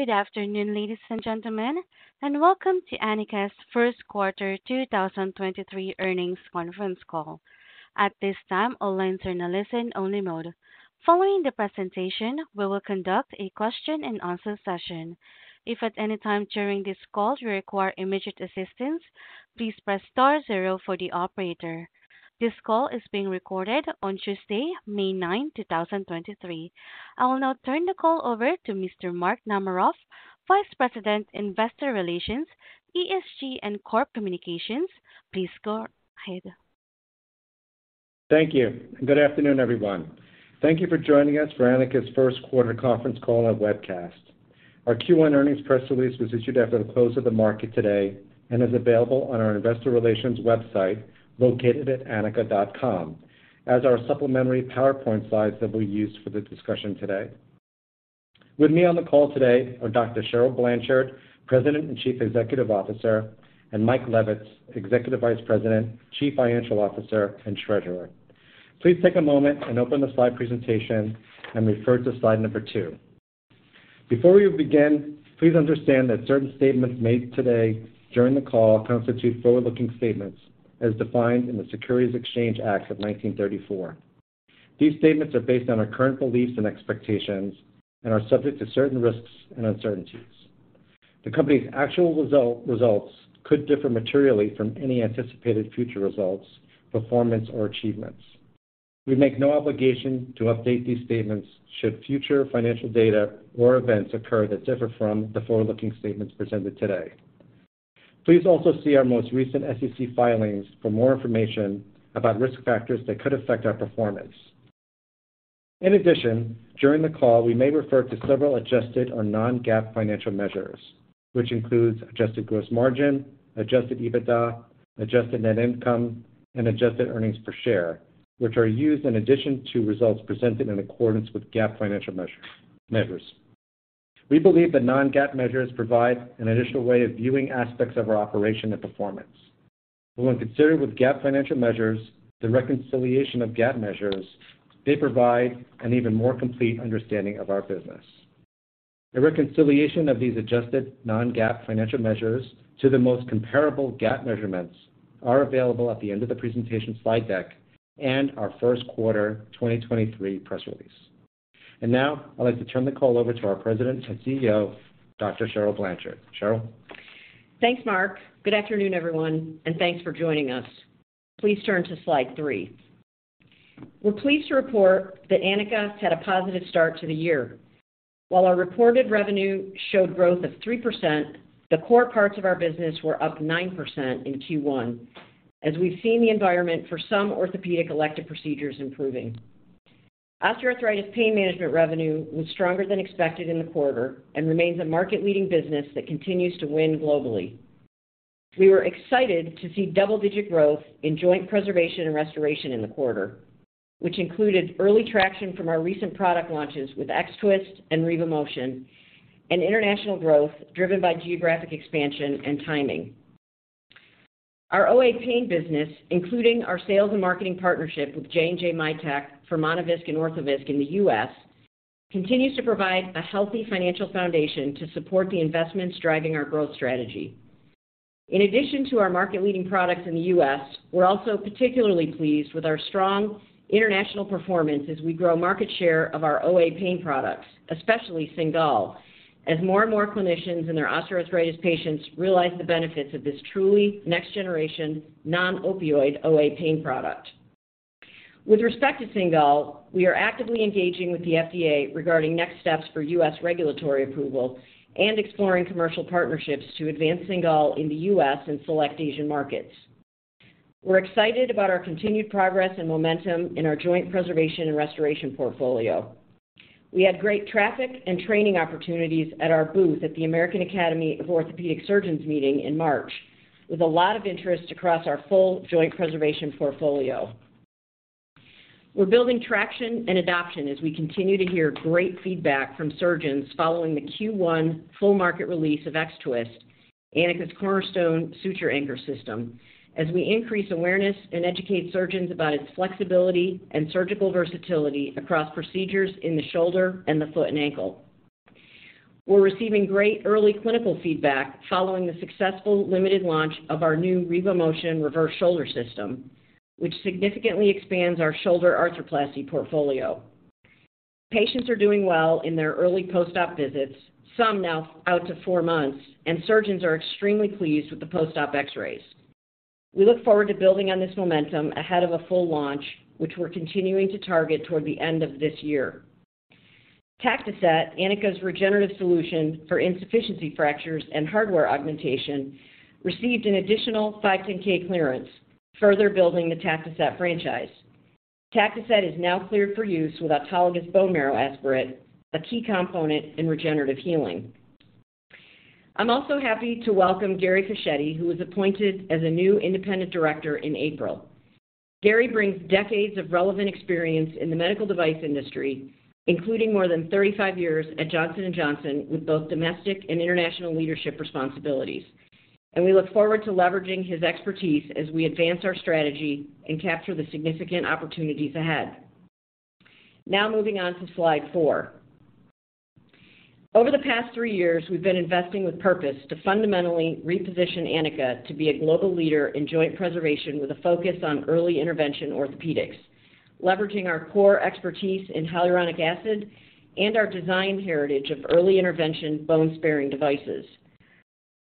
Good afternoon, ladies and gentlemen, welcome to Anika's first quarter 2023 earnings conference call. At this time, all lines are now listen-only mode. Following the presentation, we will conduct a question and answer session. If at any time during this call you require immediate assistance, please press star zero for the operator. This call is being recorded on Tuesday, May 9, 2023. I will now tu`rn the call over to Mr. Mark Namaroff, Vice President, Investor Relations, ESG, and Corp Communications. Please go ahead. Thank you. Good afternoon, everyone. Thank you for joining us for Anika's first quarter conference call and webcast. Our Q1 earnings press release was issued after the close of the market today and is available on our investor relations website, located at anika.com, as are supplementary PowerPoint slides that we'll use for the discussion today. With me on the call today are Dr. Cheryl Blanchard, President and Chief Executive Officer, and Mike Levitz, Executive Vice President, Chief Financial Officer, and Treasurer. Please take a moment and open the slide presentation and refer to slide number two. Before we begin, please understand that certain statements made today during the call constitute forward-looking statements as defined in the Securities Exchange Act of 1934. These statements are based on our current beliefs and expectations and are subject to certain risks and uncertainties. The company's actual results could differ materially from any anticipated future results, performance, or achievements. We make no obligation to update these statements should future financial data or events occur that differ from the forward-looking statements presented today. Please also see our most recent SEC filings for more information about risk factors that could affect our performance. In addition, during the call, we may refer to several adjusted or non-GAAP financial measures, which includes adjusted gross margin, adjusted EBITDA, adjusted net income, and adjusted earnings per share, which are used in addition to results presented in accordance with GAAP financial measures. We believe that non-GAAP measures provide an additional way of viewing aspects of our operation and performance. When considered with GAAP financial measures, the reconciliation of GAAP measures, they provide an even more complete understanding of our business. A reconciliation of these adjusted non-GAAP financial measures to the most comparable GAAP measurements are available at the end of the presentation slide deck and our first quarter 2023 press release. Now, I'd like to turn the call over to our President and CEO, Dr. Cheryl Blanchard. Cheryl? Thanks, Mark. Good afternoon, everyone, and thanks for joining us. Please turn to slide 3. We're pleased to report that Anika's had a positive start to the year. While our reported revenue showed growth of 3%, the core parts of our business were up 9% in Q1 as we've seen the environment for some orthopedic elective procedures improving. OA Pain Management revenue was stronger than expected in the quarter and remains a market-leading business that continues to win globally. We were excited to see double-digit growth in joint preservation and restoration in the quarter, which included early traction from our recent product launches with X-Twist and RevoMotion and international growth driven by geographic expansion and timing. Our OA Pain business, including our sales and marketing partnership with J&J Mitek for Monovisc and Orthovisc in the US, continues to provide a healthy financial foundation to support the investments driving our growth strategy. In addition to our market-leading products in the US, we're also particularly pleased with our strong international performance as we grow market share of our OA Pain products, especially Cingal, as more and more clinicians and their osteoarthritis patients realize the benefits of this truly next generation non-opioid OA Pain product. With respect to Cingal, we are actively engaging with the FDA regarding next steps for US regulatory approval and exploring commercial partnerships to advance Cingal in the US and select Asian markets. We're excited about our continued progress and momentum in our joint preservation and restoration portfolio. We had great traffic and training opportunities at our booth at the American Academy of Orthopaedic Surgeons meeting in March, with a lot of interest across our full joint preservation portfolio. We're building traction and adoption as we continue to hear great feedback from surgeons following the Q1 full market release of X-Twist, Anika's cornerstone suture anchor system as we increase awareness and educate surgeons about its flexibility and surgical versatility across procedures in the shoulder and the foot and ankle. We're receiving great early clinical feedback following the successful limited launch of our new RevoMotion reverse shoulder system, which significantly expands our shoulder arthroplasty portfolio. Patients are doing well in their early post-op visits, some now out to 4 months, and surgeons are extremely pleased with the post-op X-rays. We look forward to building on this momentum ahead of a full launch, which we're continuing to target toward the end of this year. Tactoset, Anika's regenerative solution for insufficiency fractures and hardware augmentation, received an additional 510(k) clearance, further building the Tactoset franchise. Tactoset is now cleared for use with autologous bone marrow aspirate, a key component in regenerative healing. I'm also happy to welcome Gary Fischetti, who was appointed as a new independent director in April. Gary brings decades of relevant experience in the medical device industry, including more than 35 years at Johnson & Johnson with both domestic and international leadership responsibilities. We look forward to leveraging his expertise as we advance our strategy and capture the significant opportunities ahead. Now moving on to slide 4. Over the past 3 years, we've been investing with purpose to fundamentally reposition Anika to be a global leader in joint preservation with a focus on early intervention orthopedics, leveraging our core expertise in hyaluronic acid and our design heritage of early intervention bone-sparing devices.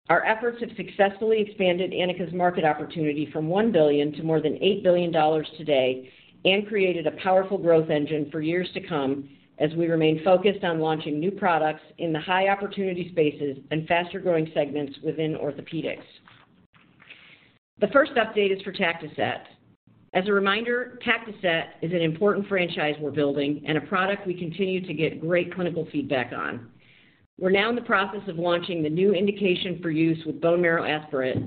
Our efforts have successfully expanded Anika's market opportunity from $1 billion to more than $8 billion today, and created a powerful growth engine for years to come as we remain focused on launching new products in the high opportunity spaces and faster-growing segments within orthopedics. The first update is for Tactoset. As a reminder, Tactoset is an important franchise we're building and a product we continue to get great clinical feedback on. We're now in the process of launching the new indication for use with bone marrow aspirate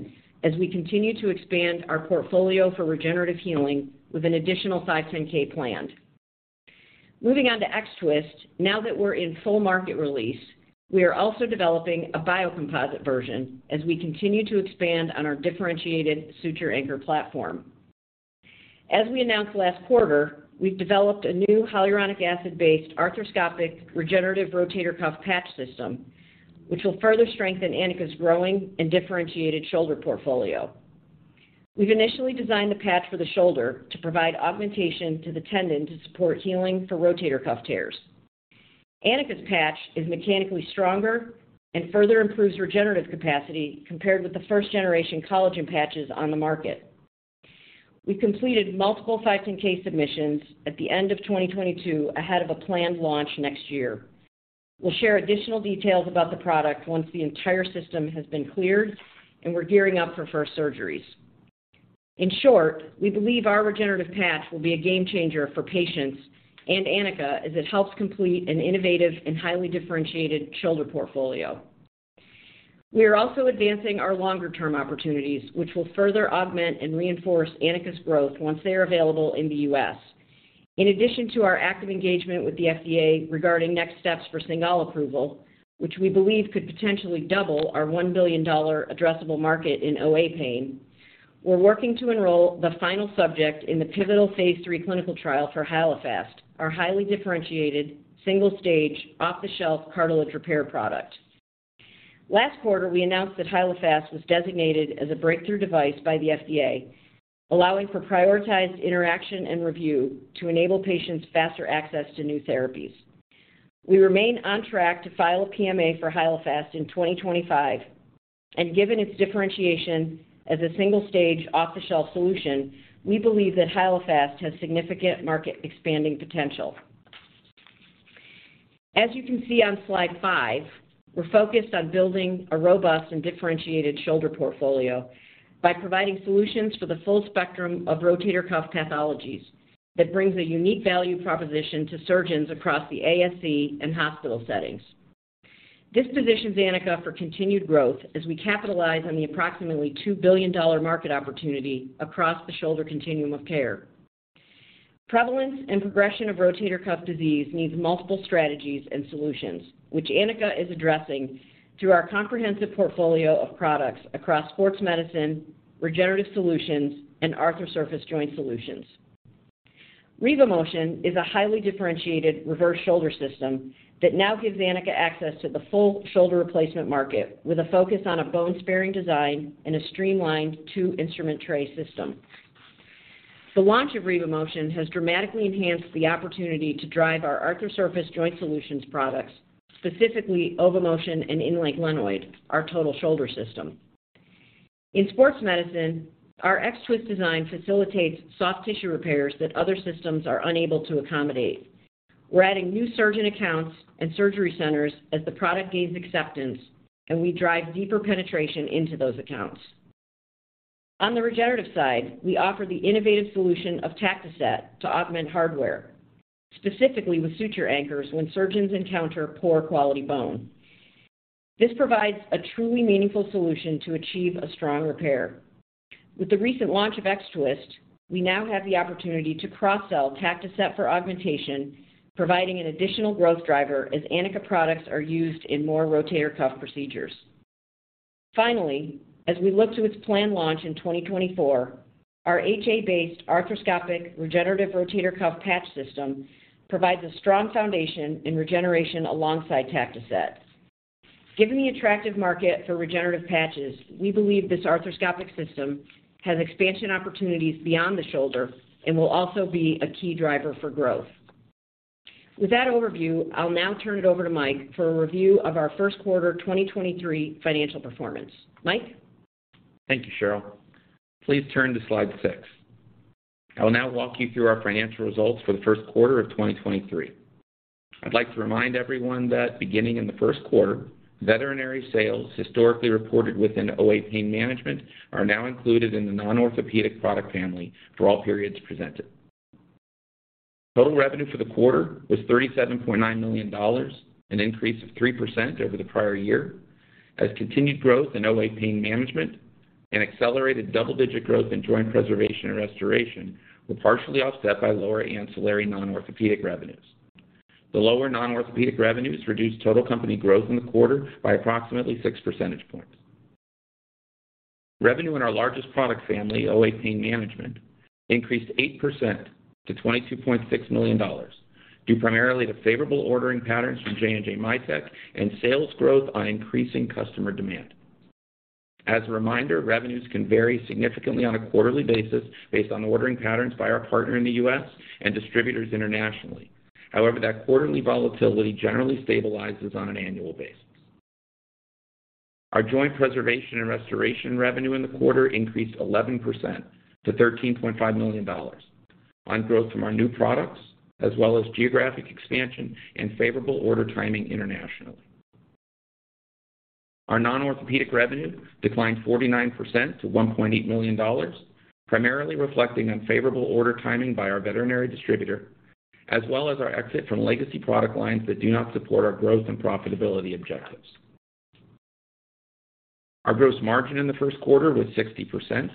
as we continue to expand our portfolio for regenerative healing with an additional 510(k) planned. Moving on to X-Twist. Now that we're in full market release, we are also developing a biocomposite version as we continue to expand on our differentiated suture anchor platform. As we announced last quarter, we've developed a new hyaluronic acid-based arthroscopic regenerative rotator cuff patch system, which will further strengthen Anika's growing and differentiated shoulder portfolio. We've initially designed the patch for the shoulder to provide augmentation to the tendon to support healing for rotator cuff tears. Anika's patch is mechanically stronger and further improves regenerative capacity compared with the first generation collagen patches on the market. We completed multiple 510(k) submissions at the end of 2022 ahead of a planned launch next year. We'll share additional details about the product once the entire system has been cleared and we're gearing up for first surgeries. In short, we believe our regenerative patch will be a game changer for patients and Anika as it helps complete an innovative and highly differentiated shoulder portfolio. We are also advancing our longer-term opportunities, which will further augment and reinforce Anika's growth once they are available in the U.S. In addition to our active engagement with the FDA regarding next steps for Cingal approval, which we believe could potentially double our $1 billion addressable market in OA pain, we're working to enroll the final subject in the pivotal phase 3 clinical trial for Hyalofast, our highly differentiated single stage off-the-shelf cartilage repair product. Last quarter, we announced that HyaloFast was designated as a Breakthrough Device by the FDA, allowing for prioritized interaction and review to enable patients faster access to new therapies. We remain on track to file a PMA for Hyalofast in 2025. Given its differentiation as a single stage off-the-shelf solution, we believe that HyaloFast has significant market expanding potential. As you can see on slide 5, we're focused on building a robust and differentiated shoulder portfolio by providing solutions for the full spectrum of rotator cuff pathologies that brings a unique value proposition to surgeons across the ASC and hospital settings. This positions Anika for continued growth as we capitalize on the approximately $2 billion market opportunity across the shoulder continuum of care. Prevalence and progression of rotator cuff disease needs multiple strategies and solutions, which Anika is addressing through our comprehensive portfolio of products across sports medicine, regenerative solutions, and Arthrosurface joint solutions. RevoMotion is a highly differentiated reverse shoulder system that now gives Anika access to the full shoulder replacement market with a focus on a bone-sparing design and a streamlined two instrument tray system. The launch of RevoMotion has dramatically enhanced the opportunity to drive our Arthrosurface joint solutions products, specifically OVOMotion and Inlay Glenoid, our total shoulder system. In sports medicine, our X-Twist design facilitates soft tissue repairs that other systems are unable to accommodate. We're adding new surgeon accounts and surgery centers as the product gains acceptance, and we drive deeper penetration into those accounts. On the regenerative side, we offer the innovative solution of Tactoset to augment hardware, specifically with suture anchors when surgeons encounter poor quality bone. This provides a truly meaningful solution to achieve a strong repair. With the recent launch of X-Twist, we now have the opportunity to cross-sell Tactoset for augmentation, providing an additional growth driver as Anika products are used in more rotator cuff procedures. As we look to its planned launch in 2024, our HA-based arthroscopic regenerative rotator cuff patch system provides a strong foundation in regeneration alongside Tactoset. Given the attractive market for regenerative patches, we believe this arthroscopic system has expansion opportunities beyond the shoulder and will also be a key driver for growth. With that overview, I'll now turn it over to Mike for a review of our first quarter 2023 financial performance. Mike? Thank you, Cheryl. Please turn to slide 6. I will now walk you through our financial results for the first quarter of 2023. I'd like to remind everyone that beginning in the first quarter, veterinary sales historically reported within OA Pain Management are now included in the non-orthopedic product family for all periods presented. Total revenue for the quarter was $37.9 million, an increase of 3% over the prior year, as continued growth in OA Pain Management and accelerated double-digit growth in Joint Preservation and Restoration were partially offset by lower ancillary non-orthopedic revenues. The lower non-orthopedic revenues reduced total company growth in the quarter by approximately 6 percentage points. Revenue in our largest product family, OA Pain Management, increased 8% to $22.6 million, due primarily to favorable ordering patterns from J&J Mitek and sales growth on increasing customer demand. As a reminder, revenues can vary significantly on a quarterly basis based on ordering patterns by our partner in the U.S. and distributors internationally. However, that quarterly volatility generally stabilizes on an annual basis. Our joint preservation and restoration revenue in the quarter increased 11% to $13.5 million on growth from our new products as well as geographic expansion and favorable order timing internationally. Our non-orthopedic revenue declined 49% to $1.8 million, primarily reflecting unfavorable order timing by our veterinary distributor, as well as our exit from legacy product lines that do not support our growth and profitability objectives. Our gross margin in the first quarter was 60%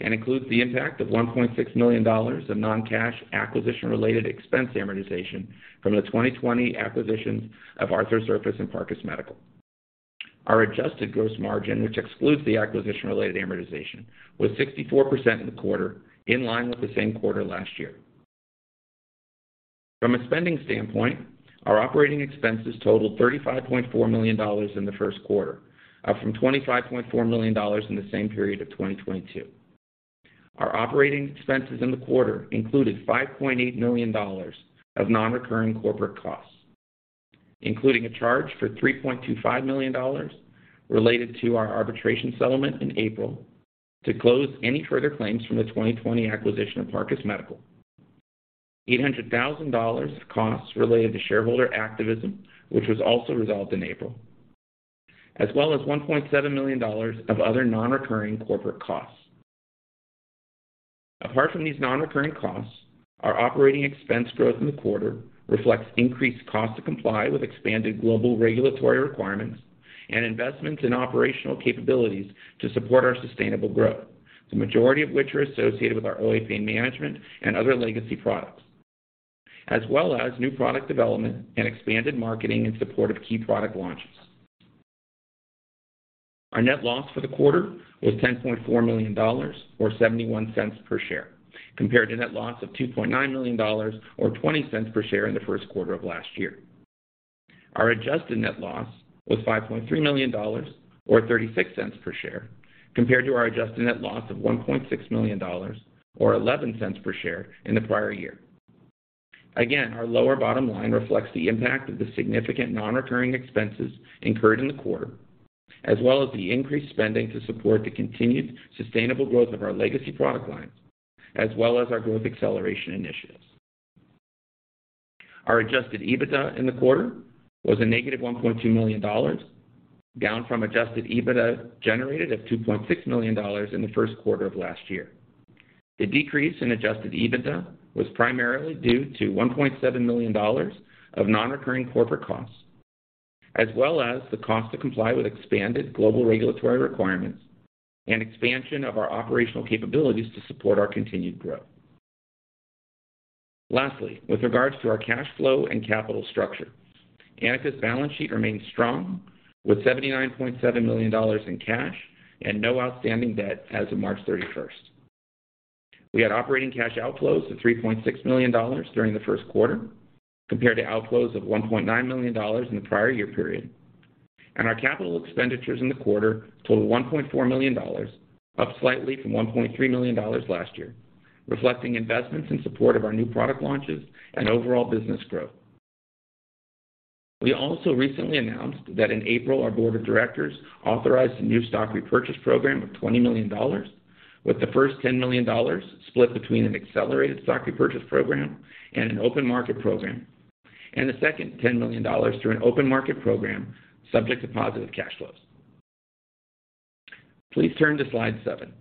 and includes the impact of $1.6 million of non-cash acquisition-related expense amortization from the 2020 acquisitions of Arthrosurface and Parcus Medical. Our adjusted gross margin, which excludes the acquisition-related amortization, was 64% in the quarter in line with the same quarter last year. From a spending standpoint, our operating expenses totaled $35.4 million in the first quarter, up from $25.4 million in the same period of 2022. Our operating expenses in the quarter included $5.8 million of non-recurring corporate costs, including a charge for $3.25 million related to our arbitration settlement in April to close any further claims from the 2020 acquisition of Parcus Medical. $800,000 costs related to shareholder activism, which was also resolved in April, as well as $1.7 million of other non-recurring corporate costs. Apart from these non-recurring costs, our operating expense growth in the quarter reflects increased cost to comply with expanded global regulatory requirements and investments in operational capabilities to support our sustainable growth, the majority of which are associated with our OA Pain Management and other legacy products, as well as new product development and expanded marketing in support of key product launches. Our net loss for the quarter was $10.4 million or $0.71 per share, compared to net loss of $2.9 million or $0.20 per share in the first quarter of last year. Our adjusted net loss was $5.3 million or $0.36 per share compared to our adjusted net loss of $1.6 million or $0.11 per share in the prior year. Our lower bottom line reflects the impact of the significant non-recurring expenses incurred in the quarter, as well as the increased spending to support the continued sustainable growth of our legacy product lines, as well as our growth acceleration initiatives. Our adjusted EBITDA in the quarter was a negative $1.2 million, down from adjusted EBITDA generated of $2.6 million in the first quarter of last year. The decrease in adjusted EBITDA was primarily due to $1.7 million of non-recurring corporate costs, as well as the cost to comply with expanded global regulatory requirements and expansion of our operational capabilities to support our continued growth. Lastly, with regards to our cash flow and capital structure, Anika's balance sheet remains strong with $79.7 million in cash and no outstanding debt as of March 31st. We had operating cash outflows of $3.6 million during the first quarter compared to outflows of $1.9 million in the prior year period. Our capital expenditures in the quarter totaled $1.4 million, up slightly from $1.3 million last year, reflecting investments in support of our new product launches and overall business growth. We also recently announced that in April our board of directors authorized a new stock repurchase program of $20 million, with the first $10 million split between an accelerated stock repurchase program and an open market program, and the second $10 million through an open market program subject to positive cash flows. Please turn to slide 7.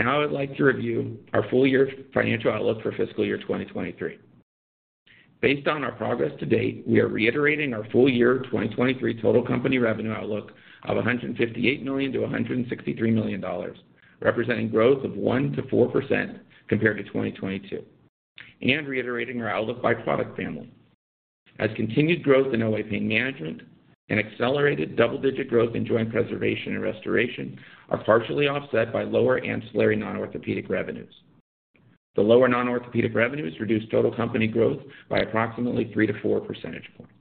I'd like to review our full year financial outlook for fiscal year 2023. Based on our progress to date, we are reiterating our full year 2023 total company revenue outlook of $158 million-$163 million, representing growth of 1%-4% compared to 2022, and reiterating our outlook by product family. Continued growth in OA Pain Management and accelerated double-digit growth in joint preservation and restoration are partially offset by lower ancillary non-orthopedic revenues. The lower non-orthopedic revenues reduce total company growth by approximately 3-4 percentage points.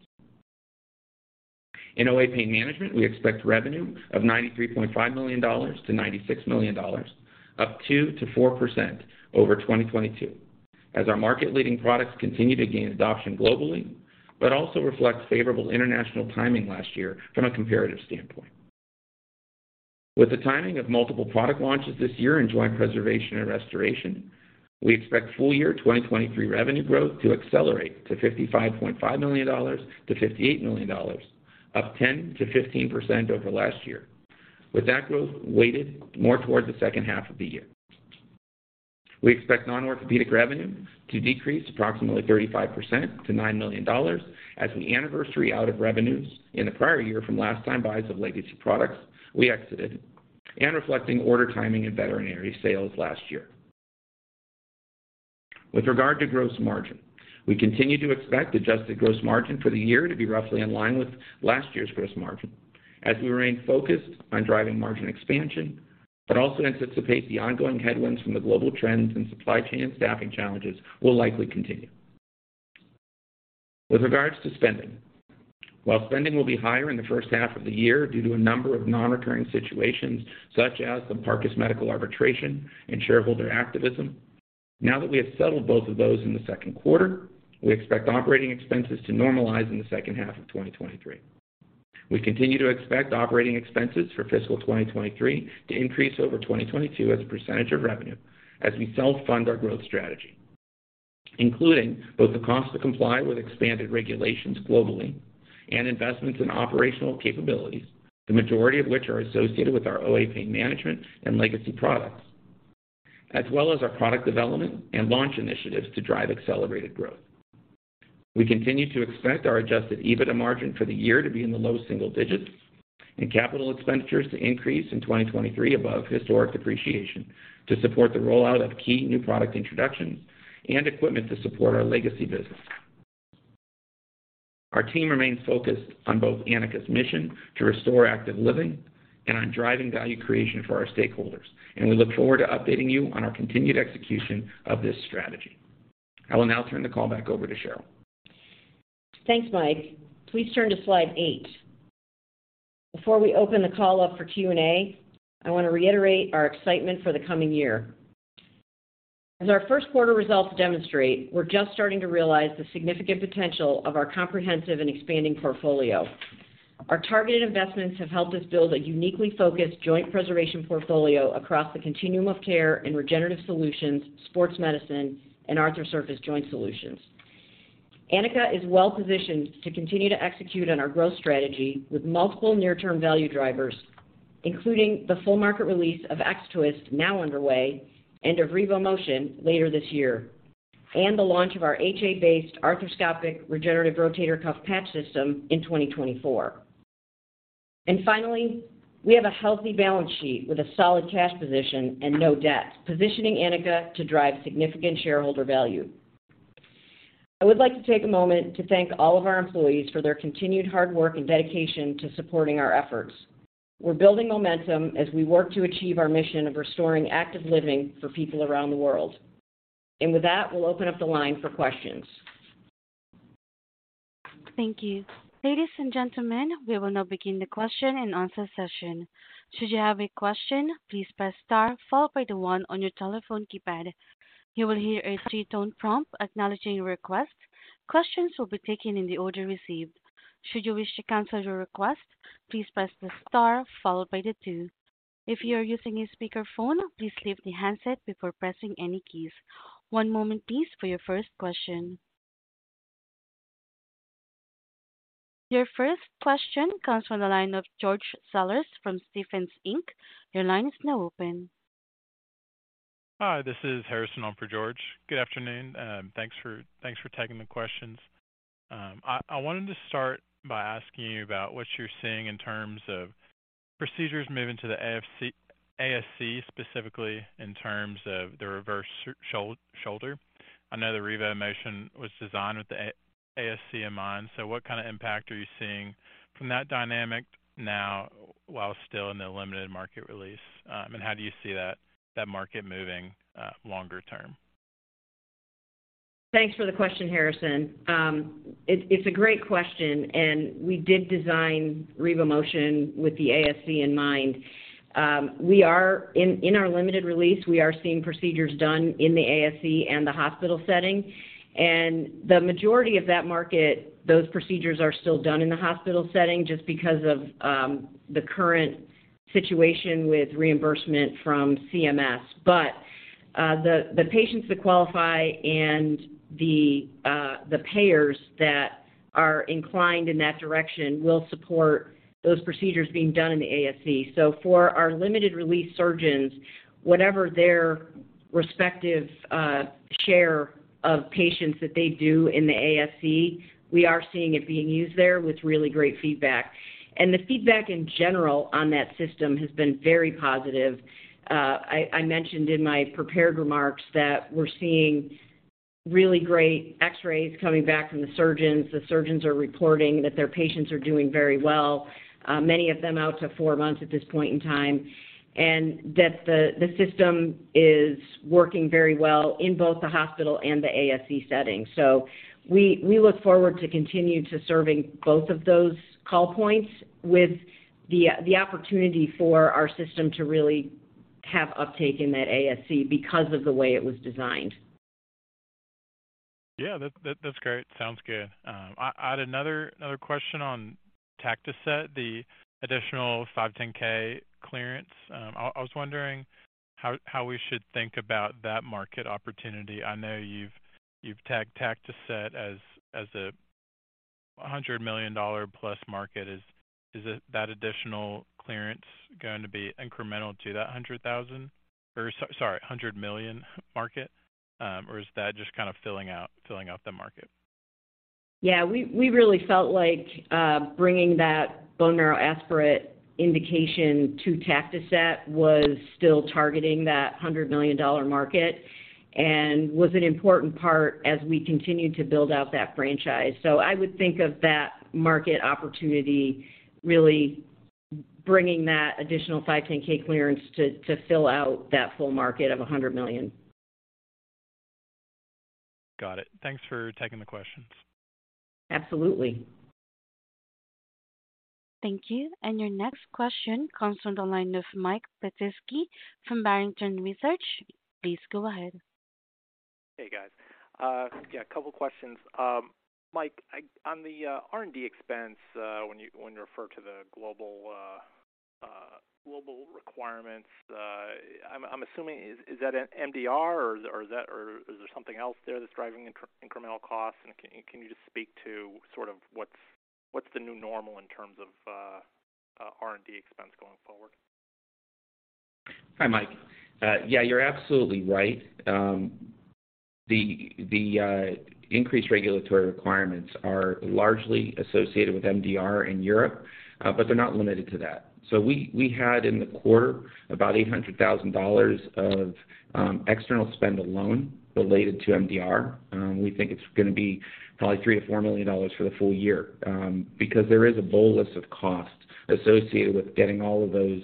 In OA Pain Management, we expect revenue of $93.5 million-$96 million, up 2%-4% over 2022, as our market-leading products continue to gain adoption globally but also reflect favorable international timing last year from a comparative standpoint. With the timing of multiple product launches this year in joint preservation and restoration, we expect full year 2023 revenue growth to accelerate to $55.5 million-$58 million, up 10%-15% over last year, with that growth weighted more towards the second half of the year. We expect non-orthopedic revenue to decrease approximately 35% to $9 million as we anniversary out of revenues in the prior year from last-time buys of legacy products we exited and reflecting order timing in veterinary sales last year. With regard to gross margin, we continue to expect adjusted gross margin for the year to be roughly in line with last year's gross margin as we remain focused on driving margin expansion, but also anticipate the ongoing headwinds from the global trends and supply chain staffing challenges will likely continue. With regards to spending, while spending will be higher in the first half of the year due to a number of non-recurring situations such as the Parcus Medical arbitration and shareholder activism, now that we have settled both of those in the 2nd quarter, we expect operating expenses to normalize in the 2nd half of 2023. We continue to expect operating expenses for fiscal 2023 to increase over 2022 as a percentage of revenue as we self-fund our growth strategy, including both the cost to comply with expanded regulations globally and investments in operational capabilities, the majority of which are associated with our OA Pain Management and legacy products, as well as our product development and launch initiatives to drive accelerated growth. We continue to expect our adjusted EBITDA margin for the year to be in the low single digits and capital expenditures to increase in 2023 above historic depreciation to support the rollout of key new product introductions and equipment to support our legacy business. Our team remains focused on both Anika's mission to restore active living and on driving value creation for our stakeholders. We look forward to updating you on our continued execution of this strategy. I will now turn the call back over to Cheryl. Thanks, Mike. Please turn to slide 8. Before we open the call up for Q&A, I want to reiterate our excitement for the coming year. As our first quarter results demonstrate, we're just starting to realize the significant potential of our comprehensive and expanding portfolio. Our targeted investments have helped us build a uniquely focused joint preservation portfolio across the continuum of care in regenerative solutions, sports medicine, and Arthrosurface joint solutions. Anika is well-positioned to continue to execute on our growth strategy with multiple near-term value drivers, including the full market release of X-Twist now underway and of RevoMotion later this year, and the launch of our HA-based arthroscopic regenerative rotator cuff patch system in 2024. Finally, we have a healthy balance sheet with a solid cash position and no debt, positioning Anika to drive significant shareholder value. I would like to take a moment to thank all of our employees for their continued hard work and dedication to supporting our efforts. We're building momentum as we work to achieve our mission of restoring active living for people around the world. With that, we'll open up the line for questions. Thank you. Ladies and gentlemen, we will now begin the question and answer session. Should you have a question, please press star followed by the one on your telephone keypad. You will hear a 2-tone prompt acknowledging your request. Questions will be taken in the order received. Should you wish to cancel your request, please press the star followed by the two. If you are using a speakerphone, please leave the handset before pressing any keys. 1 moment please for your first question. Your first question comes fr`om the line of George Sellers from Stephens Inc. Your line is now open. Hi, this is Harrison on for George. Good afternoon. Thanks for taking the questions. I wanted to start by asking you about what you're seeing in terms of procedures moving to the ASC, specifically in terms of the reverse shoulder. I know the RevoMotion was designed with the ASC in mind, so what kind of impact are you seeing from that dynamic now while still in the limited market release? How do you see that market moving longer term? Thanks for the question, Harrison. It's a great question, and we did design RevoMotion with the ASC in mind. In our limited release, we are seeing procedures done in the ASC and the hospital setting. The majority of that market, those procedures are still done in the hospital setting just because of the current situation with reimbursement from CMS. The patients that qualify and the payers that are inclined in that direction will support those procedures being done in the ASC. For our limited release surgeons, whatever their respective share of patients that they do in the ASC, we are seeing it being used there with really great feedback. The feedback in general on that system has been very positive. I mentioned in my prepared remarks that we're seeing really great X-rays coming back from the surgeons. The surgeons are reporting that their patients are doing very well, many of them out to four months at this point in time, and that the system is working very well in both the hospital and the ASC setting. We look forward to continue to serving both of those call points with the opportunity for our system to really have uptake in that ASC because of the way it was designed. Yeah, that's great. Sounds good. I had another question on Tactoset, the additional 510(k) clearance. I was wondering how we should think about that market opportunity. I know you've tagged Tactoset as a $100 million-plus market. Is it that additional clearance going to be incremental to that $100,000? Or $100 million market? Or is that just kind of filling out the market? We really felt like bringing that bone marrow aspirate indication to Tactoset was still targeting that $100 million market and was an important part as we continued to build out that franchise. I would think of that market opportunity really bringing that additional 510(k) clearance to fill out that full market of $100 million. Got it. Thanks for taking the questions. Absolutely. Thank you. Your next question comes from the line of Mike Petusky from Barrington Research. Please go ahead. Hey, guys. Yeah, 2 questions. Mike, on the R&D expense, when you refer to the global requirements, I'm assuming is that an MDR or is that or is there something else there that's driving incremental costs? Can you just speak to sort of what's the new normal in terms of R&D expense going forward? Hi, Mike. Yeah, you're absolutely right. The increased regulatory requirements are largely associated with MDR in Europe, but they're not limited to that. We had in the quarter about $800,000 of external spend alone related to MDR. We think it's gonna be probably $3 million-$4 million for the full year, because there is a bolus of costs associated with getting all of those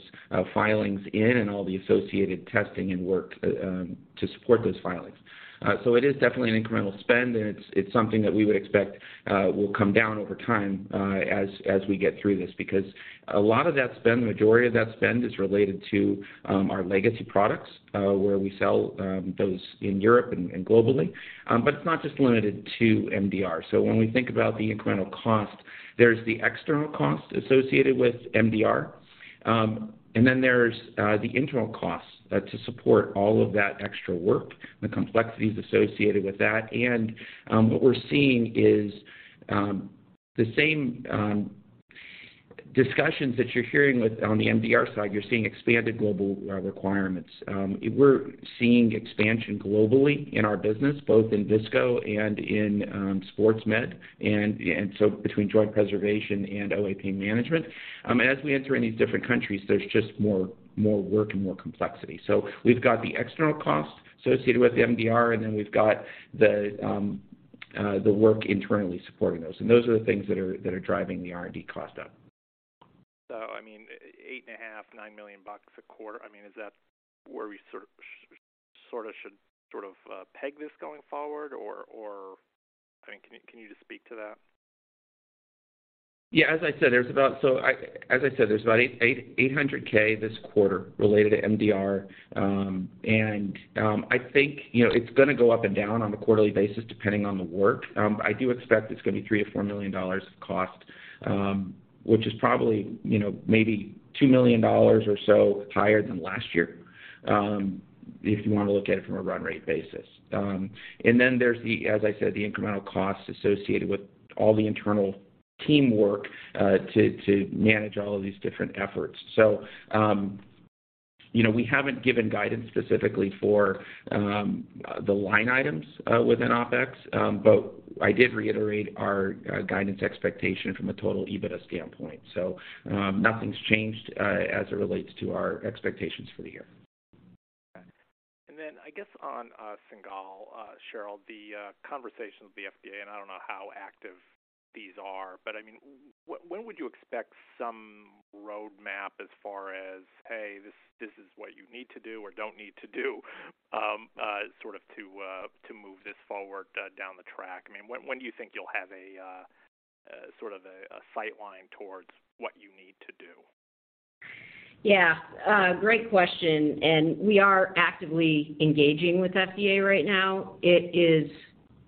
filings in and all the associated testing and work to support those filings. It is definitely an incremental spend, and it's something that we would expect will come down over time as we get through this. Because a lot of that spend, the majority of that spend is related to our legacy products, where we sell those in Europe and globally. It's not just limited to MDR. When we think about the incremental cost, there's the external cost associated with MDR, and then there's the internal costs to support all of that extra work and the complexities associated with that. What we're seeing is the same discussions that you're hearing on the MDR side, you're seeing expanded global requirements. We're seeing expansion globally in our business, both in visco and in Sports Med. Between joint preservation and OA Pain Management. As we enter in these different countries, there's just more work and more complexity. We've got the external costs associated with MDR, and then we've got the work internally supporting those. Those are the things that are driving the R&D cost up. I mean, $8.5 million-$9 million a quarter. I mean, is that where we sort of should, sort of peg this going forward? I mean, can you just speak to that? Yeah, as I said, there's about $800K this quarter related to MDR. I think, you know, it's gonna go up and down on a quarterly basis depending on the work. I do expect it's gonna be $3 million-$4 million of cost, which is probably, you know, maybe $2 million or so higher than last year, if you wanna look at it from a run rate basis. Then there's the, as I said, the incremental costs associated with all the internal teamwork, to manage all of these different efforts. You know, we haven't given guidance specifically for the line items within OpEx, but I did reiterate our guidance expectation from a total EBITDA standpoint. Nothing's changed, as it relates to our expectations for the year. I guess on Cingal, Cheryl, the conversation with the FDA, and I don't know how active these are, but when would you expect some roadmap as far as, "Hey, this is what you need to do or don't need to do," sort of to move this forward down the track? When do you think you'll have a sort of a sight line towards what you need to do? Yeah. Great question. We are actively engaging with FDA right now. It is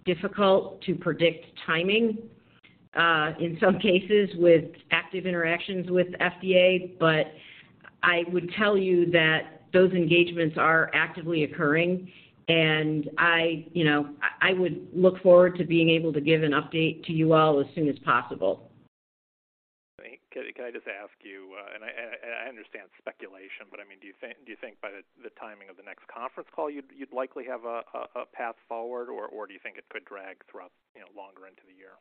difficult to predict timing in some cases with active interactions with FDA, I would tell you that those engagements are actively occurring, I, you know, I would look forward to being able to give an update to you all as soon as possible. Can I just ask you, and I understand it's speculation, but I mean, do you think by the timing of the next conference call, you'd likely have a path forward, or do you think it could drag throughout, you know, longer into the year?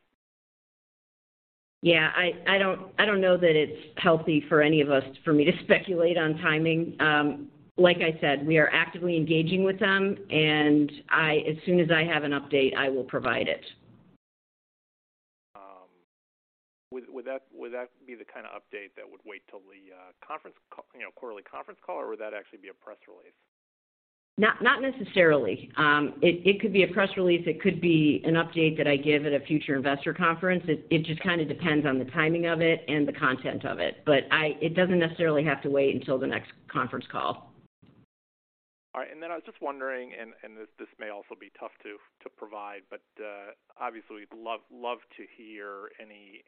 Yeah. I don't know that it's healthy for any of us for me to speculate on timing. Like I said, we are actively engaging with them, and as soon as I have an update, I will provide it. Would that be the kinda update that would wait till the conference call, you know, quarterly conference call, or would that actually be a press release? Not necessarily. It could be a press release. It could be an update that I give at a future investor conference. It just kinda depends on the timing of it and the content of it. It doesn't necessarily have to wait until the next conference call. All right. I was just wondering, and this may also be tough to provide, but obviously we'd love to hear any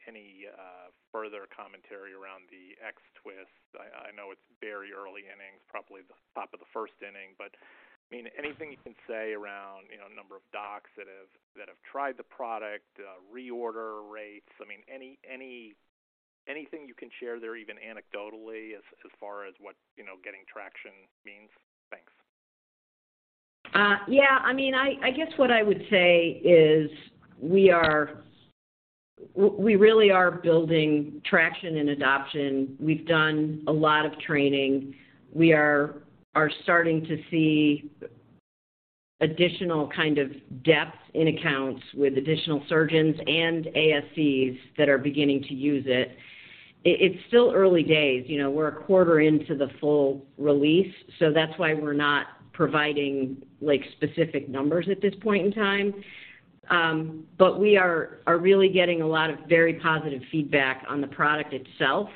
further commentary around the X-Twist. I know it's very early innings, probably the top of the first inning. I mean, anything you can say around, you know, number of docs that have tried the product, reorder rates, I mean, anything you can share there, even anecdotally as far as what, you know, getting traction means? Thanks. Yeah. I mean, I guess what I would say is we really are building traction and adoption. We've done a lot of training. We are starting to see additional kind of depth in accounts with additional surgeons and ASCs that are beginning to use it. It's still early days, you know. We're a quarter into the full release. That's why we're not providing like specific numbers at this point in time. We are really getting a lot of very positive feedback on the product itself,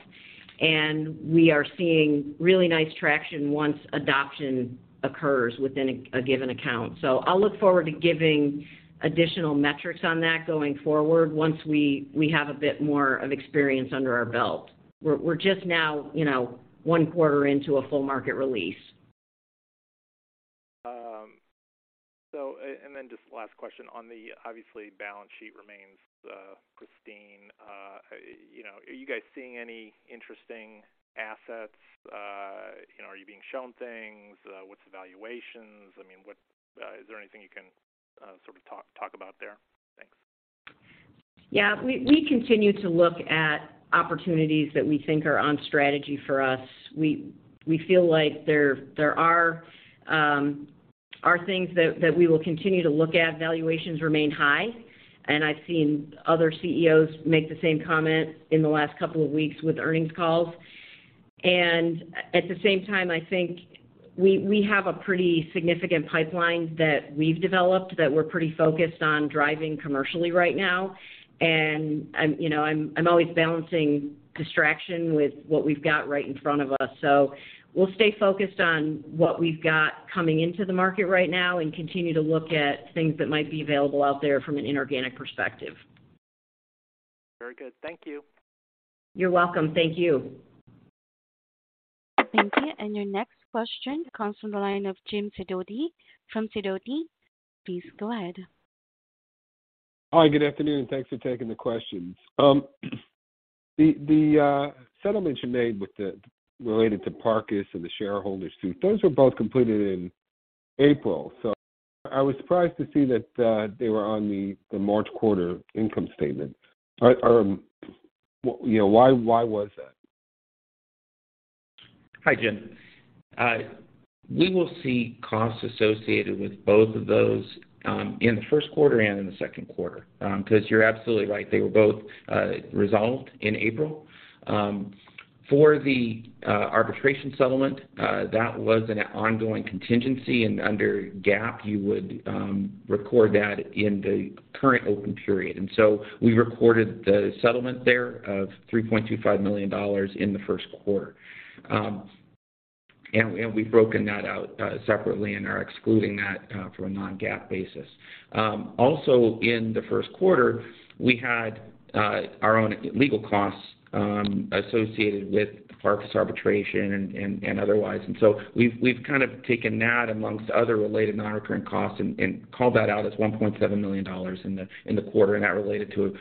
and we are seeing really nice traction once adoption occurs within a given account. I'll look forward to giving additional metrics on that going forward once we have a bit more of experience under our belt. We're just now, you know, one quarter into a full market release. Just last question. On the obviously balance sheet remains pristine. You know, are you guys seeing any interesting assets? You know, are you being shown things? What's the valuations? I mean, what is there anything you can sort of talk about there? Thanks. Yeah. We continue to look at opportunities that we think are on strategy for us. We feel like there are things that we will continue to look at. Valuations remain high, and I've seen other CEOs make the same comment in the last couple of weeks with earnings calls. At the same time, I think we have a pretty significant pipeline that we've developed that we're pretty focused on driving commercially right now. I'm, you know, I'm always balancing distraction with what we've got right in front of us. We'll stay focused on what we've got coming into the market right now and continue to look at things that might be available out there from an inorganic perspective. Very good. Thank you. You're welcome. Thank you. Thank you. Your next question comes from the line of Jim Sidoti from Sidoti. Please go ahead. Hi, good afternoon. Thanks for taking the questions. The settlements you made related to Parcus and the shareholder suit, those were both completed in April. I was surprised to see that they were on the March quarter income statement. You know, why was that? Hi, Jim. We will see costs associated with both of those in the first quarter and in the second quarter. You're absolutely right, they were both resolved in April. For the arbitration settlement, that was an ongoing contingency, under GAAP, you would record that in the current open period. We recorded the settlement there of $3.25 million in the first quarter. We've broken that out separately and are excluding that from a non-GAAP basis. Also in the first quarter, we had our own legal costs associated with the Parcus arbitration and otherwise. We've kind of taken that amongst other related non-recurring costs and called that out as $1.7 million in the, in the quarter, and that related to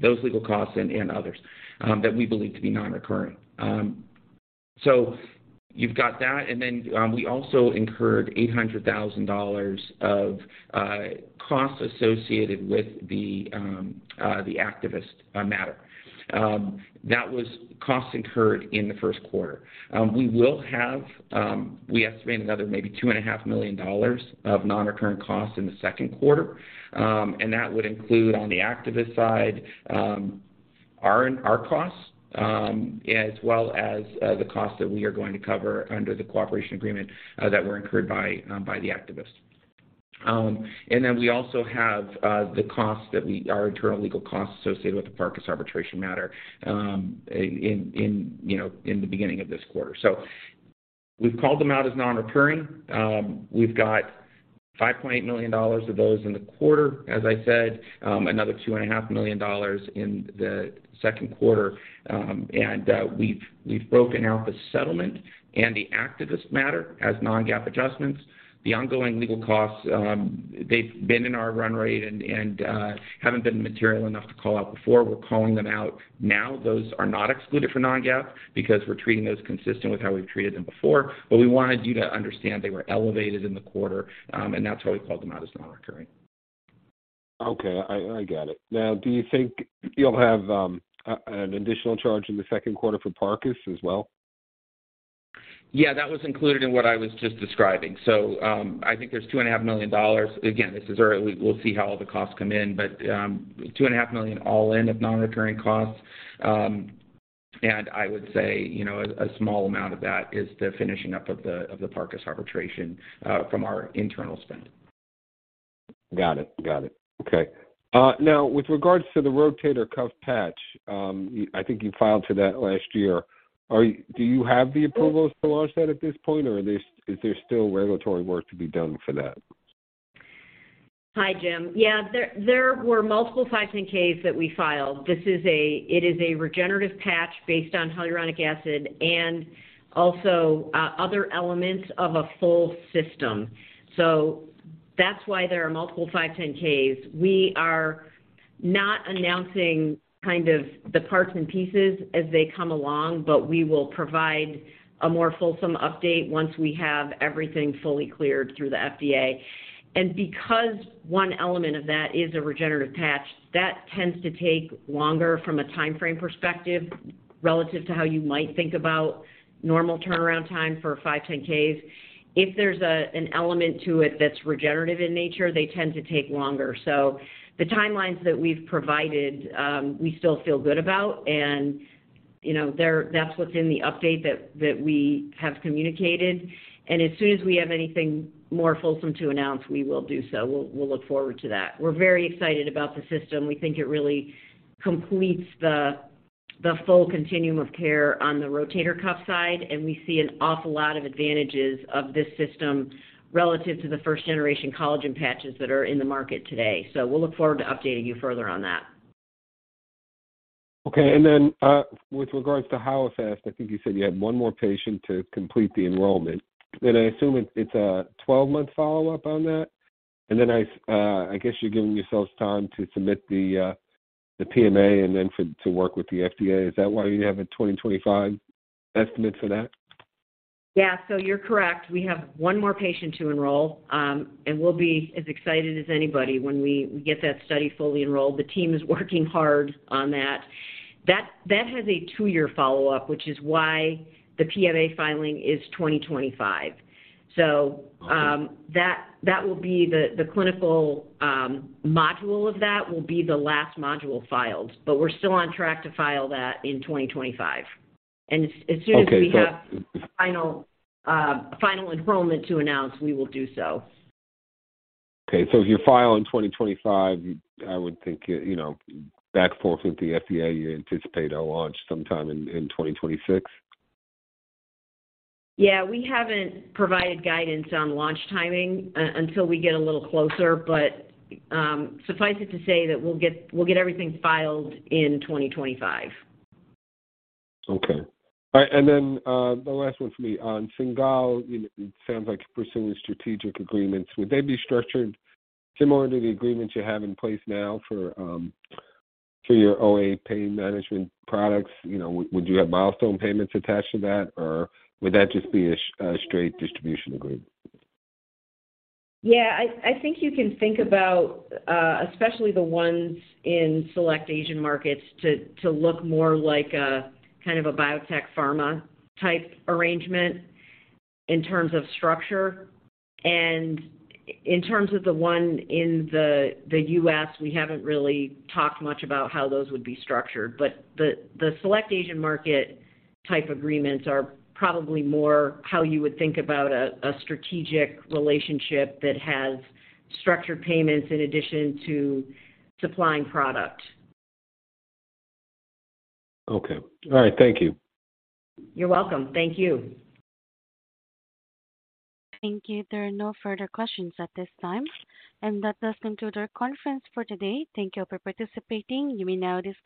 those legal costs and others that we believe to be non-recurring. So you've got that. We also incurred $800,000 of costs associated with the activist matter. That was costs incurred in the first quarter. We will have, we estimate another maybe $2.5 million of non-recurring costs in the second quarter. That would include, on the activist side, our costs as well as the costs that we are going to cover under the cooperation agreement that were incurred by the activists. We also have our internal legal costs associated with the Parcus arbitration matter in the beginning of this quarter. We've called them out as non-recurring. We've got $5.8 million of those in the quarter, as I said, another $2.5 million in the second quarter. We've broken out the settlement and the activist matter as non-GAAP adjustments. The ongoing legal costs, they've been in our run rate and haven't been material enough to call out before. We're calling them out now. Those are not excluded for non-GAAP because we're treating those consistent with how we've treated them before. We wanted you to understand they were elevated in the quarter, and that's why we called them out as non-recurring. Okay. I get it. Do you think you'll have an additional charge in the second quarter for Parcus as well? Yeah, that was included in what I was just describing. I think there's two and a half million dollars. Again, this is early. We'll see how all the costs come in, but two and a half million all in of non-recurring costs. And I would say, you know, a small amount of that is the finishing up of the Parcus arbitration from our internal spend. Got it. Okay. Now with regards to the rotator cuff patch, I think you filed for that last year. Do you have the approvals to launch that at this point, or is there still regulatory work to be done for that? Hi, Jim. Yeah. There were multiple 510(k)s that we filed. It is a regenerative patch based on hyaluronic acid and also other elements of a full system. That's why there are multiple 510(k)s. We are not announcing kind of the parts and pieces as they come along, but we will provide a more fulsome update once we have everything fully cleared through the FDA. Because one element of that is a regenerative patch, that tends to take longer from a time frame perspective relative to how you might think about normal turnaround time for 510(k)s. If there's an element to it that's regenerative in nature, they tend to take longer. The timelines that we've provided, we still feel good about. You know, that's what's in the update that we have communicated. As soon as we have anything more fulsome to announce, we will do so. We'll look forward to that. We're very excited about the system. We think it really completes the full continuum of care on the rotator cuff side, and we see an awful lot of advantages of this system relative to the first generation collagen patches that are in the market today. We'll look forward to updating you further on that. Okay. With regards to Hyalofast, I think you said you have 1 more patient to complete the enrollment. I assume it's a 12-month follow-up on that. I guess you're giving yourselves time to submit the PMA and then for, to work with the FDA. Is that why you have a 2025 estimate for that? You're correct. We have one more patient to enroll, and we'll be as excited as anybody when we get that study fully enrolled. The team is working hard on that. That has a two-year follow-up, which is why the PMA filing is 2025. That will be the clinical module of that will be the last module filed, but we're still on track to file that in 2025. As soon as we have final enrollment to announce, we will do so. Okay. If you file in 2025, I would think, you know, back and forth with the FDA, you anticipate a launch sometime in 2026? Yeah. We haven't provided guidance on launch timing until we get a little closer. Suffice it to say that we'll get everything filed in 2025. Okay. All right, the last one for me. On Cingal, you know, it sounds like you're pursuing strategic agreements. Would they be structured similar to the agreements you have in place now for your OA pain management products? You know, would you have milestone payments attached to that, or would that just be a straight distribution agreement? Yeah. I think you can think about, especially the ones in select Asian markets to look more like a kind of a biotech pharma type arrangement in terms of structure. In terms of the one in the U.S., we haven't really talked much about how those would be structured. The select Asian market type agreements are probably more how you would think about a strategic relationship that has structured payments in addition to supplying product. Okay. All right. Thank you. You're welcome. Thank you. Thank you. There are no further questions at this time. That does conclude our conference for today. Thank you for participating. You may now disconnect.